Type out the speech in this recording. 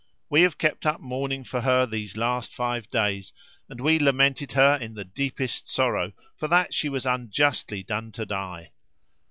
We have kept up mourning for her these last five days and we lamented her in the deepest sorrow for that she was unjustly done to die.